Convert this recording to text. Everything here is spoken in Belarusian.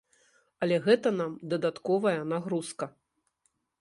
Але гэта нам дадатковая нагрузка.